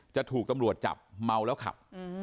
จะถูกตำรวจจับเมาแล้วขับ